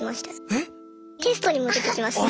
えっ⁉テストにも出てきました。